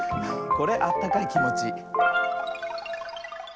これあったかいきもち。